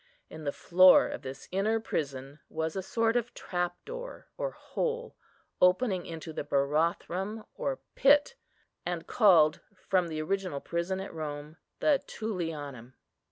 In the floor of this inner prison was a sort of trap door, or hole, opening into the barathrum, or pit, and called, from the original prison at Rome, the Tullianum.